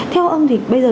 theo ông thì bây giờ